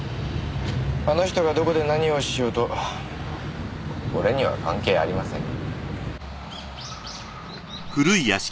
あの人がどこで何をしようと俺には関係ありません。